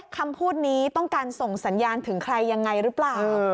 คำพูดนี้ต้องการส่งสัญญาณถึงใครยังไงหรือเปล่า